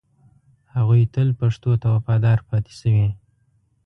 هغوی تل پښتو ته وفادار پاتې شوي